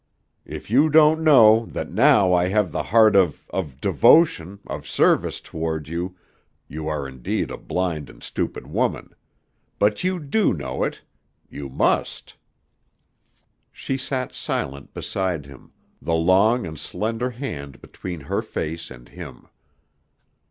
If you don't know that now I have the heart of of devotion, of service, toward you, you are indeed a blind and stupid woman. But you do know it. You must." She sat silent beside him, the long and slender hand between her face and him.